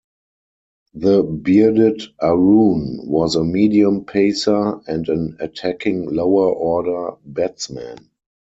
The bearded Arun was a medium pacer and an attacking lower order batsman.